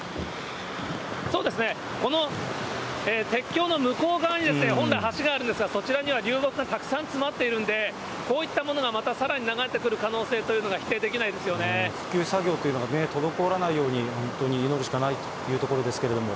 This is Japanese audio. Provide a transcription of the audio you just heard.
そうですね、この鉄橋の向こう側に、本来、橋があるんですが、そちらには流木がたくさん詰まっているので、こういったものがまたさらに流れてくる可能性というのが、否定で復旧作業というのが滞らないように、本当に祈るしかないというところですけど。